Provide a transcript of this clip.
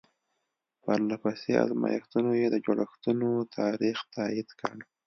پرله پسې ازمایښتونو یې د جوړښتونو تاریخ تایید کړ.